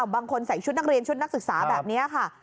บางคนใส่ชุดนักเรียนชุดนักศึกษาแบบนี้ค่ะ